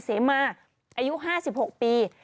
เสมาอายุ๕๖ปี